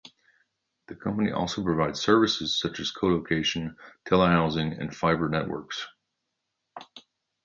The company also provides services such as co-location, telehousing, and fibre networks.